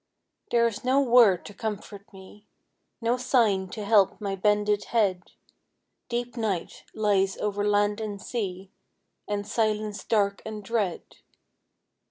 There is no word to comfort me; No sign to help my bended head; Deep night lies over land and sea, And silence dark and dread.